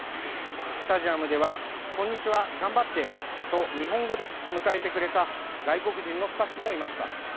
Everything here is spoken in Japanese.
スタジアムでは、こんにちは、頑張ってと日本語で迎えてくれた外国人のスタッフもいました。